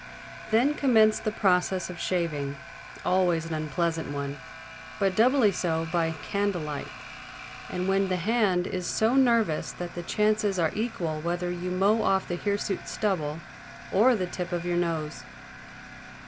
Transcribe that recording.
Then commenced the process of shaving—always an unpleasant one, but doubly so by candle light, and when the hand is so nervous that the chances are equal whether you mow off the hirsute stubble or the tip of your nose.